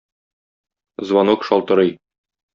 Звонок шалтырый.